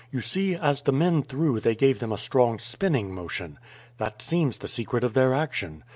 You see, as the men threw they gave them a strong spinning motion. That seems the secret of their action.